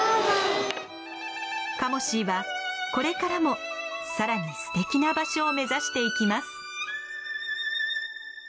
カモシーはこれからもさらに素敵な場所を目指していきます。